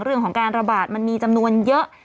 เรื่องของการระบาดมันมีจำนวนเยอะ